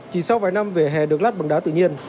chỉ sau vài năm vỉa hè được lát bằng đá tự nhiên